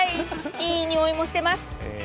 いいにおいもしています。